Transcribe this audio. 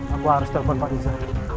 aku harus telpon pak riza